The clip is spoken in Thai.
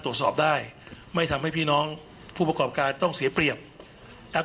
ตรวจสอบได้ไม่ทำให้พี่น้องผู้ประกอบการต้องเสียเปรียบนะครับ